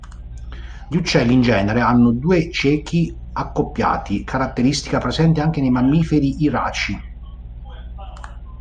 Gli uccelli in genere hanno due ciechi accoppiati, caratteristica presente anche nei mammiferi iraci.